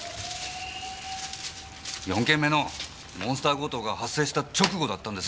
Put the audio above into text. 〕４件目のモンスター強盗が発生した直後だったんです！